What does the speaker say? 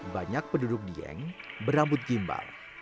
banyak penduduk dieng berambut gimbal